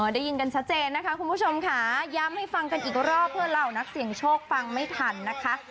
ได้ยินกันชัดเจนนะคะคุณผู้ชมค่ะย้ำให้ฟังกันอีกรอบเพื่อเหล่านักเสียงโชคฟังไม่ทันนะคะ